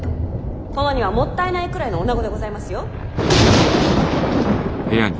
殿にはもったいないくらいのおなごでございますよ！